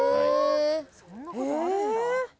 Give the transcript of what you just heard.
そんなことあるんだ。